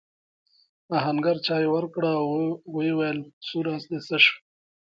آهنګر چايي ورکړه او وویل سور آس دې څه شو؟